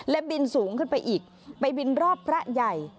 และบินสูงขึ้นไปอีกไปบินรอบพระใหญ่